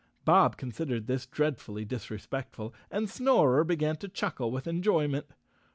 Bob considered this dreadfully disrespect¬ ful, and Snorer began to chuckle with enjoyment.